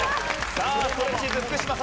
ストレッチーズ福島さん